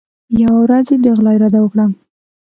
یوه ورځ یې د غلا اراده وکړه.